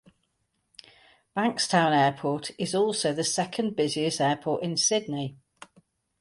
Bankstown Airport is also the second busiest airport in Sydney.